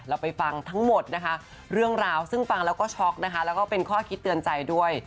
เราไปฟังทั้งหมดนะคะเรื่องราวซึ่งฟังแล้วก็ช็อกนะคะแล้วก็เป็นข้อคิดเตือนใจด้วย